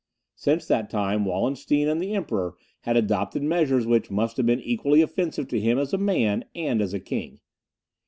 Since that time, Wallenstein and the Emperor had adopted measures which must have been equally offensive to him as a man and as a king.